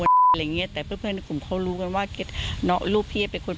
อะไรอย่างเงี้ยแต่เพื่อนกลุ่มเขารู้กันว่ารูปพี่เป็นคน